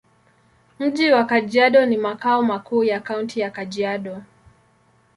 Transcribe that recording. Mji wa Kajiado ni makao makuu ya Kaunti ya Kajiado.